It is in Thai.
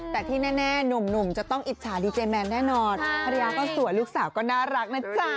แต่ที่แน่หนุ่มจะต้องอิจฉาดีเจแมนแน่นอนภรรยาก็สวยลูกสาวก็น่ารักนะจ๊ะ